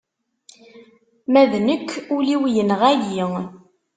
Ma d nekk ul-iw yenɣa-yi.